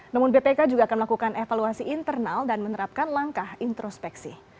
namun bpk juga akan melakukan evaluasi internal dan menerapkan langkah introspeksi